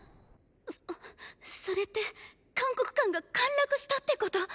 そそれって函谷関が陥落したってこと？